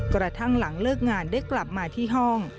กระทั่งหลังเลิกงานได้กลับมาที่ห้อง